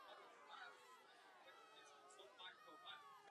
Tento oxid se snadno rozkládá při zvýšené teplotě.